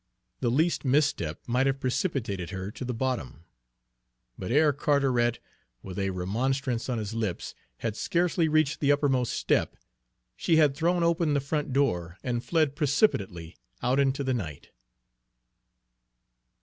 The least misstep might have precipitated her to the bottom; but ere Carteret, with a remonstrance on his lips, had scarcely reached the uppermost step, she had thrown open the front door and fled precipitately out into the night.